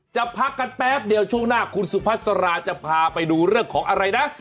พักกันแป๊บเดียวช่วงหน้าคุณสุพัสราจะพาไปดูเรื่องของอะไรนะ